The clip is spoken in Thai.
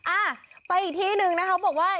อ่ะไปที่อีกหนึ่งนะครับ